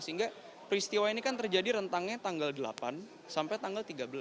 sehingga peristiwa ini kan terjadi rentangnya tanggal delapan sampai tanggal tiga belas